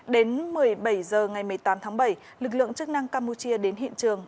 đến một mươi bảy h ngày một mươi tám tháng bảy lực lượng chức năng campuchia đến hiện trường